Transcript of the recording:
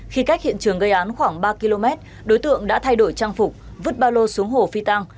khi cách hiện trường gây án khoảng ba km đối tượng đã thay đổi trang phục vứt ba lô xuống hồ phi tăng